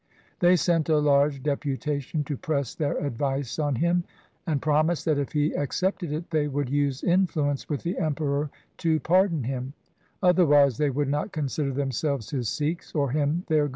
They sent a large deputation to press their advice on him, and promised that, if he accepted it, they would use influence with the Emperor to pardon him ; otherwise they would not consider themselves his Sikhs or him their Guru.